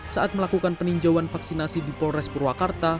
saat melakukan peninjauan vaksinasi di polres purwakarta